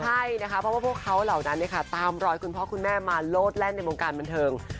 ใช่นะคะเพราะว่าพวกเขาเหล่านั้นตามรอยคุณพ่อคุณแม่มาโลดแล่นในวงการบันเทิง